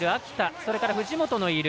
それから藤本のいる